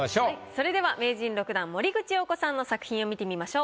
それでは名人６段森口瑤子さんの作品を見てみましょう。